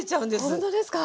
ほんとですか？